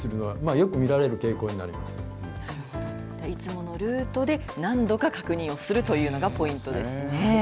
よく見られる傾向になるほど、いつものルートで何度か確認をするというのがポイントですね。